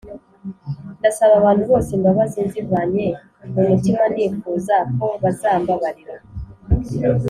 Ndasaba abantu bose imbabazi nzivanye mu mutima nifuza ko bazambabarira